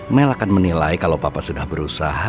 mel akan menilai kalau papa sudah berusaha